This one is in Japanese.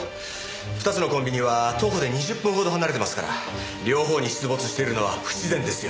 ２つのコンビニは徒歩で２０分ほど離れてますから両方に出没しているのは不自然ですよ。